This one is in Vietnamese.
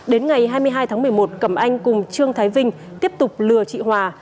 đến ngày hai mươi hai tháng một mươi một cẩm anh cùng trương thái vinh tiếp tục lừa chị hòa